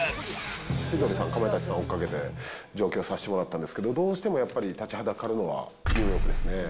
千鳥さん、かまいたちさんを追っかけて、上京させてもらったんですけども、どうしてもやっぱり立ちはだかるのはニューヨークですね。